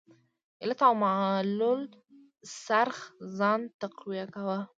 علت او معلول څرخ ځان تقویه کاوه.